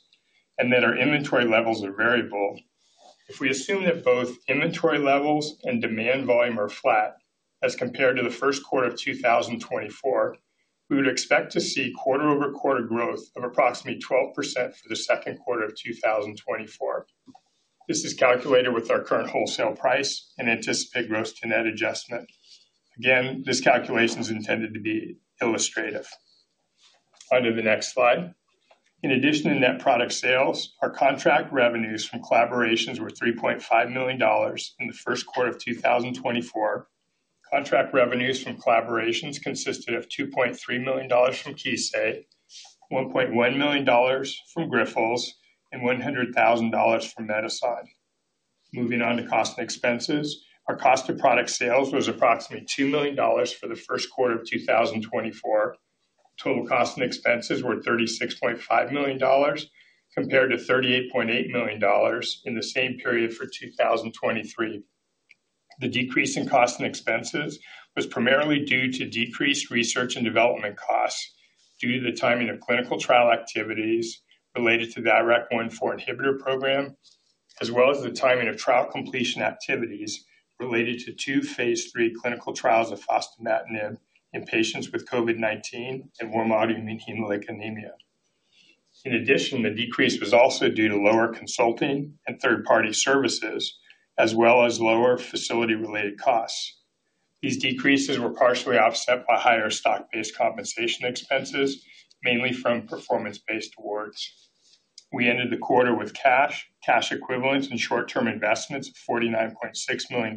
and that our inventory levels are variable, if we assume that both inventory levels and demand volume are flat as compared to the first quarter of 2024, we would expect to see quarter-over-quarter growth of approximately 12% for the second quarter of 2024. This is calculated with our current wholesale price and anticipated gross-to-net adjustment. Again, this calculation is intended to be illustrative. Under the next slide, in addition to net product sales, our contract revenues from collaborations were $3.5 million in the first quarter of 2024. Contract revenues from collaborations consisted of $2.3 million from Kissei, $1.1 million from Grifols, and $100,000 from Medison. Moving on to cost and expenses, our cost of product sales was approximately $2 million for the first quarter of 2024. Total cost and expenses were $36.5 million compared to $38.8 million in the same period for 2023. The decrease in cost and expenses was primarily due to decreased research and development costs due to the timing of clinical trial activities related to the IRAK1/4 inhibitor program, as well as the timing of trial completion activities related to two Phase 3 clinical trials of fostamatinib in patients with COVID-19 and warm autoimmune hemolytic anemia. In addition, the decrease was also due to lower consulting and third-party services, as well as lower facility-related costs. These decreases were partially offset by higher stock-based compensation expenses, mainly from performance-based awards. We ended the quarter with cash, cash equivalents, and short-term investments of $49.6 million.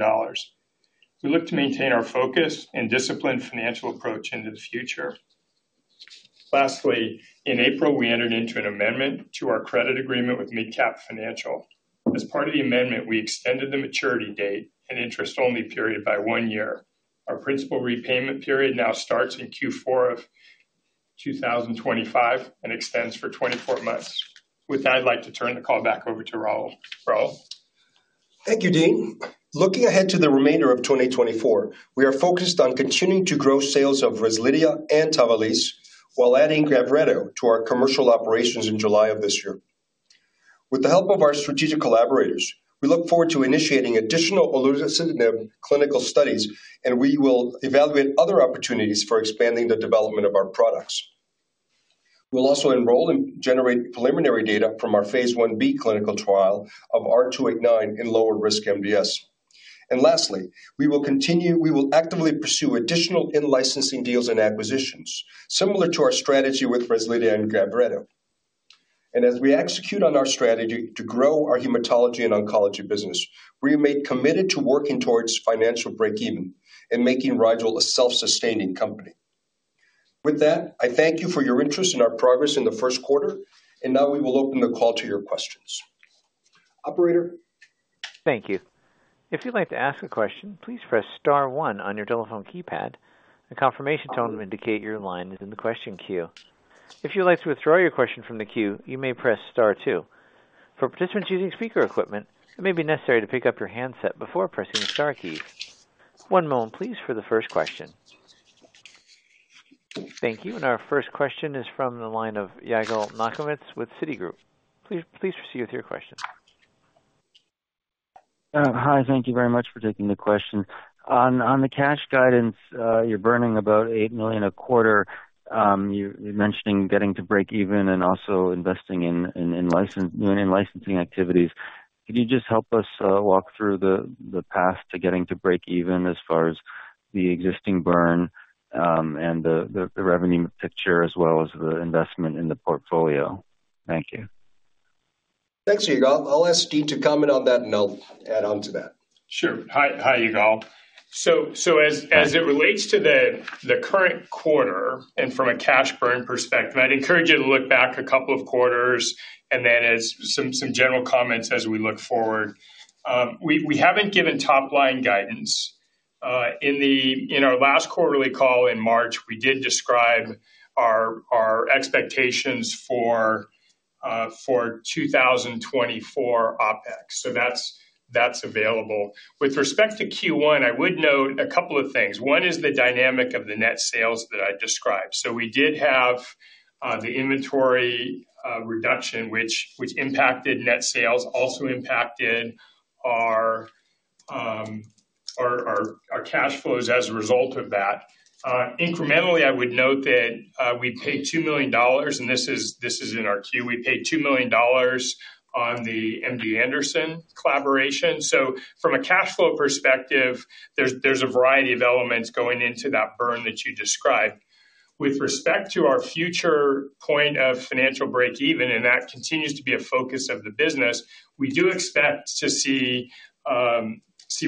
We look to maintain our focus and disciplined financial approach into the future. Lastly, in April, we entered into an amendment to our credit agreement with MidCap Financial. As part of the amendment, we extended the maturity date and interest-only period by one year. Our principal repayment period now starts in Q4 of 2025 and extends for 24 months. With that, I'd like to turn the call back over to Raul. Raul. Thank you, Dean. Looking ahead to the remainder of 2024, we are focused on continuing to grow sales of REZLIDHIA and TAVALISSE while adding GAVRETO to our commercial operations in July of this year. With the help of our strategic collaborators, we look forward to initiating additional olutasidenib clinical studies, and we will evaluate other opportunities for expanding the development of our products. We will also enroll and generate preliminary data from our phase 1B clinical trial of R289 in lower-risk MDS. Lastly, we will actively pursue additional in-licensing deals and acquisitions, similar to our strategy with REZLIDHIA and GAVRETO. As we execute on our strategy to grow our hematology and oncology business, we remain committed to working towards financial breakeven and making Rigel a self-sustaining company. With that, I thank you for your interest in our progress in the first quarter, and now we will open the call to your questions. Operator. Thank you. If you'd like to ask a question, please press star one on your telephone keypad. The confirmation tone will indicate your line is in the question queue. If you'd like to withdraw your question from the queue, you may press star two. For participants using speaker equipment, it may be necessary to pick up your handset before pressing the star keys. One moment, please, for the first question. Thank you. Our first question is from the line of Yigal Nochomovitz with Citigroup. Please proceed with your question. Hi. Thank you very much for taking the question. On the cash guidance, you're burning about $8 million a quarter. You're mentioning getting to breakeven and also investing in new and in-licensing activities. Could you just help us walk through the path to getting to breakeven as far as the existing burn and the revenue picture, as well as the investment in the portfolio? Thank you. Thanks, Yigal. I'll ask Dean to comment on that, and I'll add on to that. Sure. Hi, Yigal. So as it relates to the current quarter and from a cash burn perspective, I'd encourage you to look back a couple of quarters and then some general comments as we look forward. We haven't given top-line guidance. In our last quarterly call in March, we did describe our expectations for 2024 OpEx. So that's available. With respect to Q1, I would note a couple of things. One is the dynamic of the net sales that I described. So we did have the inventory reduction, which impacted net sales, also impacted our cash flows as a result of that. Incrementally, I would note that we paid $2 million and this is in our 10-Q. We paid $2 million on the MD Anderson collaboration. So from a cash flow perspective, there's a variety of elements going into that burn that you described. With respect to our future point of financial breakeven, and that continues to be a focus of the business, we do expect to see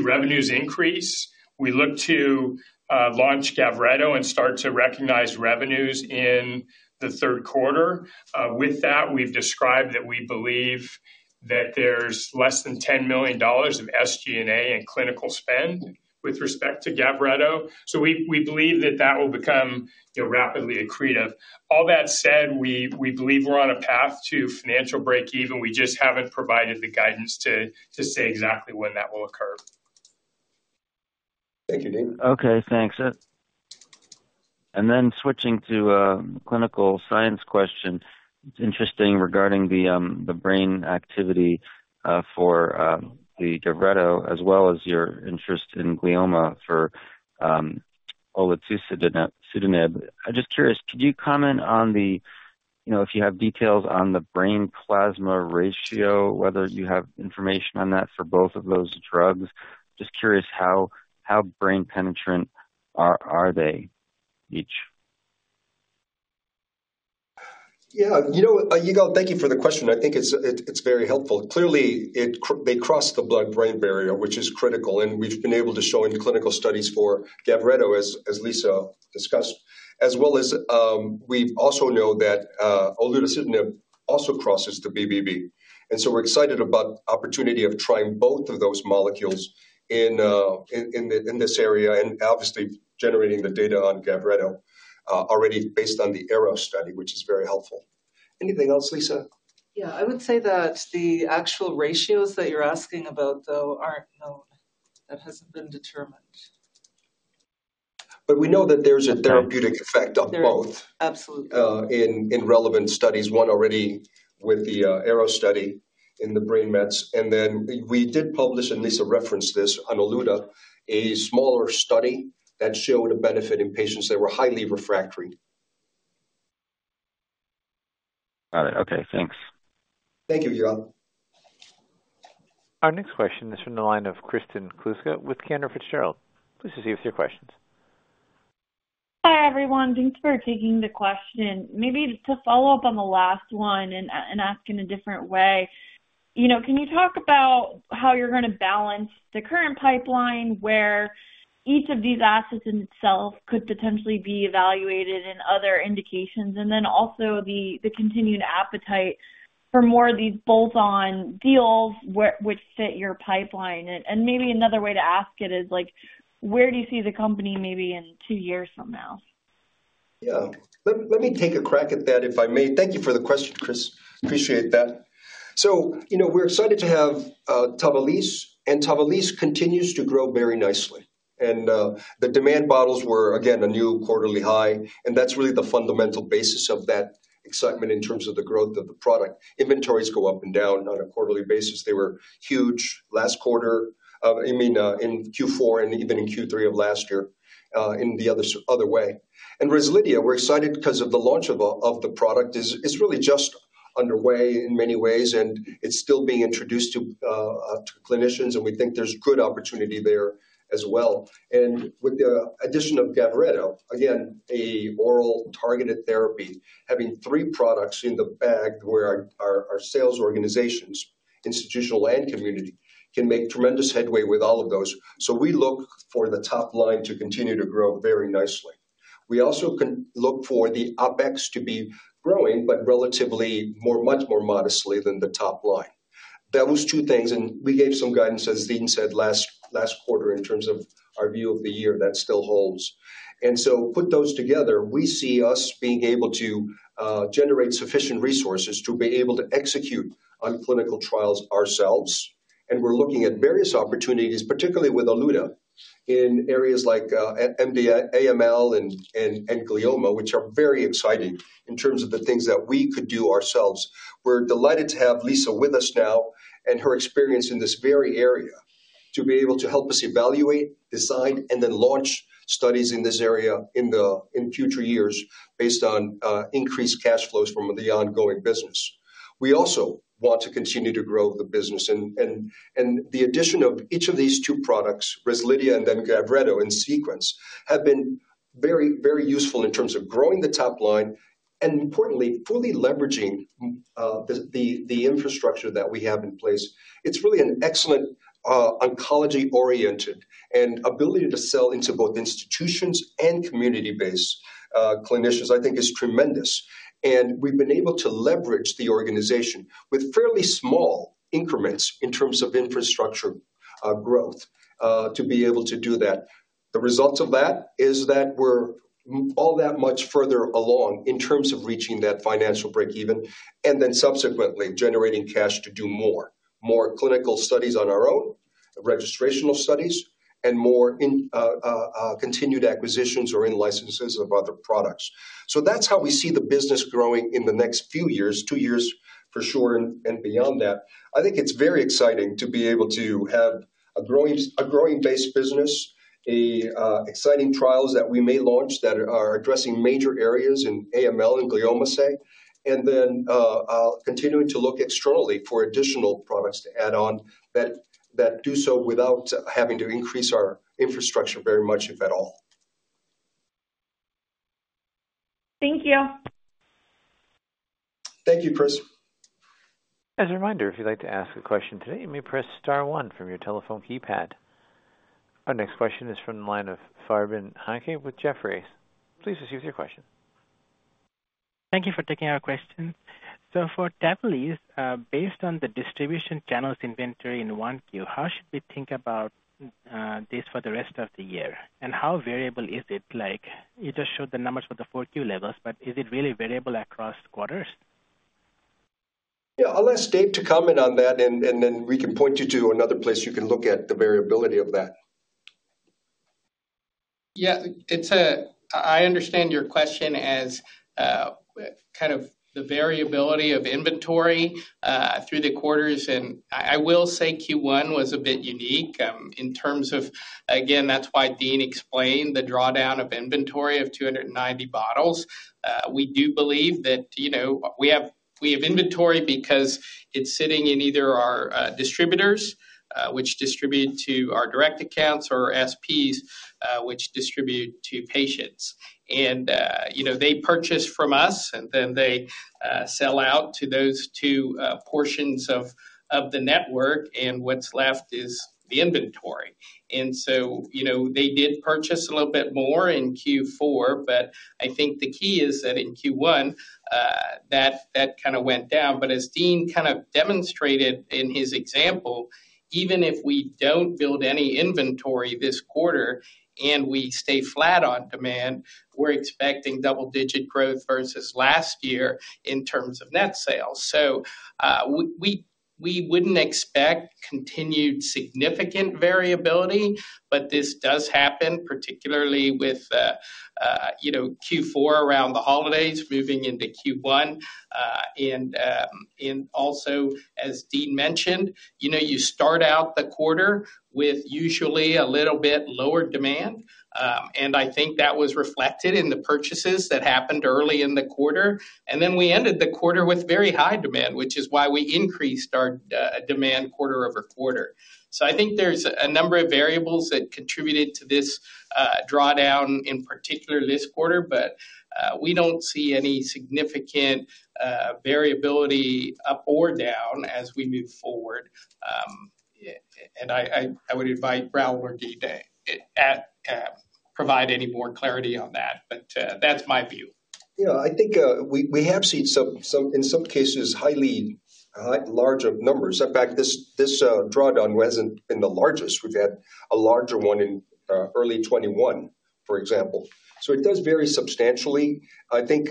revenues increase. We look to launch GAVRETO and start to recognize revenues in the third quarter. With that, we've described that we believe that there's less than $10 million of SG&A and clinical spend with respect to GAVRETO. So we believe that that will become rapidly accretive. All that said, we believe we're on a path to financial breakeven. We just haven't provided the guidance to say exactly when that will occur. Thank you, Dean. Okay. Thanks. And then switching to a clinical science question, it's interesting regarding the brain activity for the GAVRETO as well as your interest in glioma for olutasidenib. I'm just curious, could you comment on the, if you have details on the brain plasma ratio, whether you have information on that for both of those drugs? Just curious how brain-penetrant are they each? Yeah. You know what, Yigal? Thank you for the question. I think it's very helpful. Clearly, they cross the blood-brain barrier, which is critical. And we've been able to show in clinical studies for GAVRETO, as Lisa discussed, as well as we also know that olutasidenib also crosses the BBB. And so we're excited about the opportunity of trying both of those molecules in this area and obviously generating the data on GAVRETO already based on the ARROW study, which is very helpful. Anything else, Lisa? Yeah. I would say that the actual ratios that you're asking about, though, aren't known. That hasn't been determined. But we know that there's a therapeutic effect on both in relevant studies, one already with the ARROW study in the brain mets. And then we did publish, and Lisa referenced this on olutasidenib, a smaller study that showed a benefit in patients that were highly refractory. Got it. Okay. Thanks. Thank you, Yigal. Our next question. This is on the line of Kristen Kluska with Cantor Fitzgerald. Please proceed with your questions. Hi, everyone. Thanks for taking the question. Maybe to follow up on the last one and ask in a different way, can you talk about how you're going to balance the current pipeline, where each of these assets in itself could potentially be evaluated in other indications, and then also the continued appetite for more of these bolt-on deals which fit your pipeline? And maybe another way to ask it is, where do you see the company maybe in two years from now? Yeah. Let me take a crack at that, if I may. Thank you for the question, Kris. Appreciate that. So we're excited to have TAVALISSE and TAVALISSE continues to grow very nicely. And the demand bottles were, again, a new quarterly high. And that's really the fundamental basis of that excitement in terms of the growth of the product. Inventories go up and down on a quarterly basis. They were huge last quarter, I mean, in Q4 and even in Q3 of last year in the other way. And REZLIDHIA, we're excited because of the launch of the product. It's really just underway in many ways, and it's still being introduced to clinicians. And we think there's good opportunity there as well. With the addition of GAVRETO, again, an oral targeted therapy, having three products in the bag where our sales organizations, institutional, and community can make tremendous headway with all of those. So we look for the top line to continue to grow very nicely. We also look for the OpEx to be growing but relatively much more modestly than the top line. That was two things. We gave some guidance, as Dean said, last quarter in terms of our view of the year. That still holds. So put those together, we see us being able to generate sufficient resources to be able to execute on clinical trials ourselves. And we're looking at various opportunities, particularly with olutasidenib, in areas like AML and glioma, which are very exciting in terms of the things that we could do ourselves. We're delighted to have Lisa with us now and her experience in this very area to be able to help us evaluate, design, and then launch studies in this area in future years based on increased cash flows from the ongoing business. We also want to continue to grow the business. The addition of each of these two products, REZLIDHIA and then GAVRETO in sequence, have been very, very useful in terms of growing the top line and, importantly, fully leveraging the infrastructure that we have in place. It's really an excellent oncology-oriented and ability to sell into both institutions and community-based clinicians, I think, is tremendous. We've been able to leverage the organization with fairly small increments in terms of infrastructure growth to be able to do that. The result of that is that we're all that much further along in terms of reaching that financial breakeven and then subsequently generating cash to do more, more clinical studies on our own, registrational studies, and more continued acquisitions or in-licenses of other products. So that's how we see the business growing in the next few years, two years for sure, and beyond that. I think it's very exciting to be able to have a growing-based business, exciting trials that we may launch that are addressing major areas in AML and Glioma, say, and then continuing to look externally for additional products to add on that do so without having to increase our infrastructure very much, if at all. Thank you. Thank you, Kris. As a reminder, if you'd like to ask a question today, you may press star one from your telephone keypad. Our next question is from the line of Farzin Haque with Jefferies. Please proceed with your question. Thank you for taking our question. So for TAVALISSE, based on the distribution channels inventory in Q1, how should we think about this for the rest of the year? And how variable is it? You just showed the numbers for the Q4 levels, but is it really variable across quarters? Yeah. I'll ask Dave to comment on that, and then we can point you to another place you can look at the variability of that. Yeah. I understand your question as kind of the variability of inventory through the quarters. And I will say Q1 was a bit unique in terms of again, that's why Dean explained the drawdown of inventory of 290 bottles. We do believe that we have inventory because it's sitting in either our distributors, which distribute to our direct accounts, or SPs, which distribute to patients. They purchase from us, and then they sell out to those two portions of the network. What's left is the inventory. So they did purchase a little bit more in Q4, but I think the key is that in Q1, that kind of went down. But as Dean kind of demonstrated in his example, even if we don't build any inventory this quarter and we stay flat on demand, we're expecting double-digit growth versus last year in terms of net sales. We wouldn't expect continued significant variability, but this does happen, particularly with Q4 around the holidays moving into Q1. Also, as Dean mentioned, you start out the quarter with usually a little bit lower demand. I think that was reflected in the purchases that happened early in the quarter. Then we ended the quarter with very high demand, which is why we increased our demand quarter-over-quarter. So I think there's a number of variables that contributed to this drawdown in particular this quarter, but we don't see any significant variability up or down as we move forward. I would invite Raul or Dave to provide any more clarity on that. But that's my view. Yeah. I think we have seen some, in some cases, highly larger numbers. In fact, this drawdown wasn't in the largest. We've had a larger one in early 2021, for example. So it does vary substantially. I think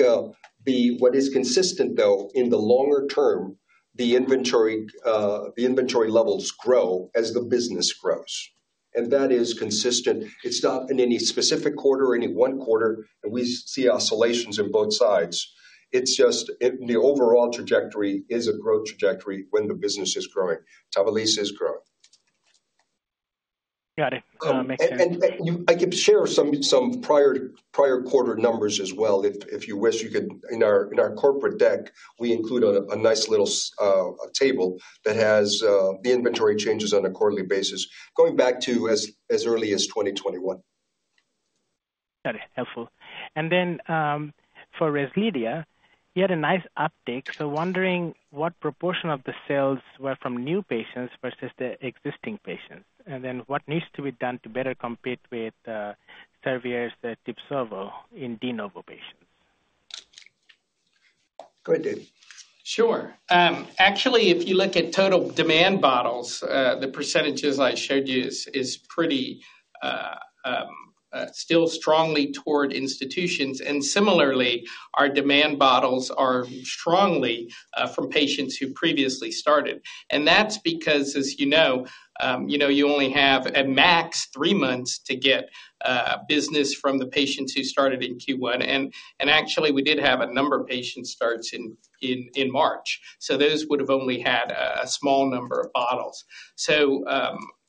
what is consistent, though, in the longer term, the inventory levels grow as the business grows. That is consistent. It's not in any specific quarter or any one quarter, and we see oscillations on both sides. The overall trajectory is a growth trajectory when the business is growing. TAVALISSE is growing. Got it. Makes sense. And I could share some prior quarter numbers as well if you wish. In our corporate deck, we include a nice little table that has the inventory changes on a quarterly basis going back to as early as 2021. Got it. Helpful. And then for REZLIDHIA, you had a nice update. So wondering what proportion of the sales were from new patients versus the existing patients, and then what needs to be done to better compete with Servier's TIBSOVO in de novo patients. Go ahead, Dave. Sure. Actually, if you look at total demand bottles, the percentages I showed you are still strongly toward institutions. Similarly, our demand bottles are strongly from patients who previously started. That's because, as you know, you only have at max three months to get business from the patients who started in Q1. Actually, we did have a number of patients start in March. So those would have only had a small number of bottles. So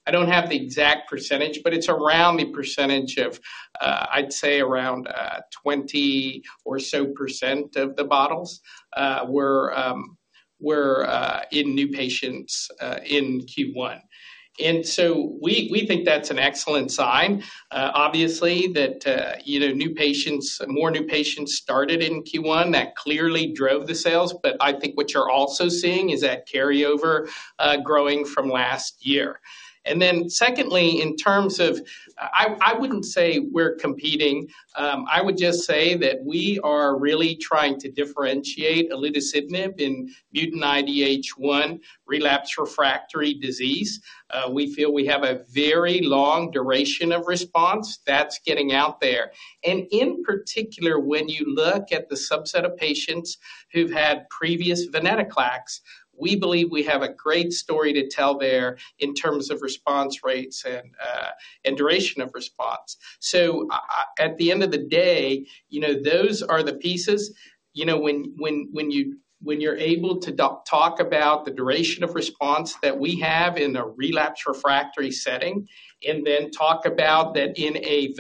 I don't have the exact percentage, but it's around the percentage of I'd say around 20% or so of the bottles were in new patients in Q1. So we think that's an excellent sign, obviously, that more new patients started in Q1. That clearly drove the sales. But I think what you're also seeing is that carryover growing from last year. Then secondly, in terms of I wouldn't say we're competing. I would just say that we are really trying to differentiate olutasidenib in mutant IDH1 relapse refractory disease. We feel we have a very long duration of response that's getting out there. And in particular, when you look at the subset of patients who've had previous venetoclax, we believe we have a great story to tell there in terms of response rates and duration of response. So at the end of the day, those are the pieces. When you're able to talk about the duration of response that we have in a relapse refractory setting and then talk about that in a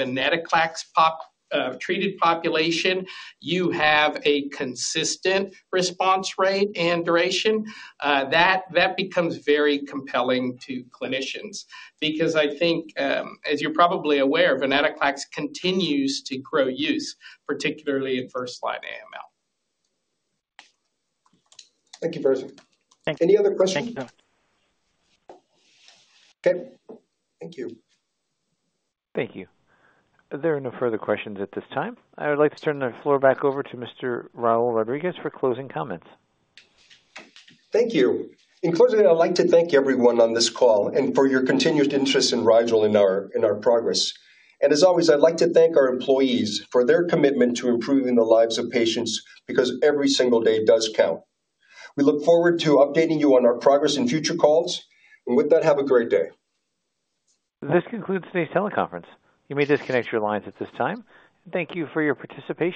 venetoclax-treated population, you have a consistent response rate and duration, that becomes very compelling to clinicians. Because I think, as you're probably aware, venetoclax continues to grow use, particularly in first-line AML. Thank you, Farzin. Any other questions? Thank you, Devin. Okay. Thank you. Thank you. Are there no further questions at this time? I would like to turn the floor back over to Mr. Raul Rodriguez for closing comments. Thank you. In closing, I'd like to thank everyone on this call and for your continued interest in Rigel and our progress. And as always, I'd like to thank our employees for their commitment to improving the lives of patients because every single day does count. We look forward to updating you on our progress in future calls. And with that, have a great day. This concludes today's teleconference. You may disconnect your lines at this time. Thank you for your participation.